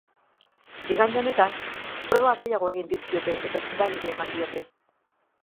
Igande honetan proba gehiago egin dizkiote eta sendagiria eman diote.